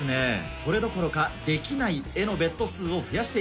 それどころか「できない」へのベット数を増やしています。